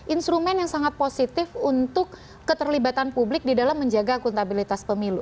instrumen yang sangat positif untuk keterlibatan publik di dalam menjaga akuntabilitas pemilu